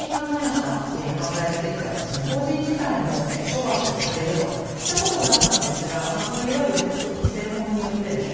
法人自体も処罰をされるといったことがあったんですがこのいわゆる「セクト規制法」によってですね